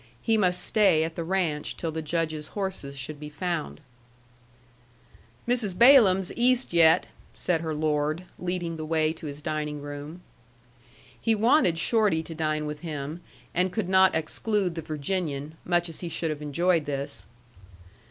He must stay at the ranch till the Judge's horses should be found. "Mrs. Balaam's East yet," said her lord, leading the way to his dining room. He wanted Shorty to dine with him, and could not exclude the Virginian, much as he should have enjoyed this.